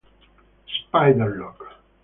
Spider Loc